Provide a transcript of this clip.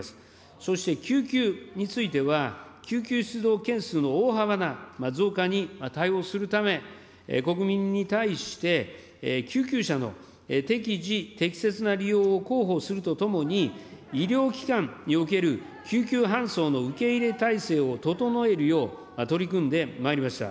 そして救急については、救急出動件数の大幅な増加に対応するため、国民に対して救急車の適時適切な利用を広報するとともに、医療機関における救急搬送の受け入れ体制を整えるよう取り組んでまいりました。